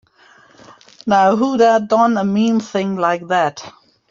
Now who'da done a mean thing like that?